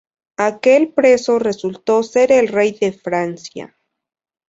Aquel preso resultó ser el rey de Francia.